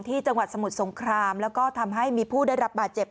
จังหวัดสมุทรสงครามแล้วก็ทำให้มีผู้ได้รับบาดเจ็บ